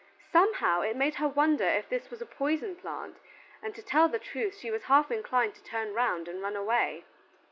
Somehow it made her wonder if this was a poison plant, and to tell the truth she was half inclined to turn round and run away.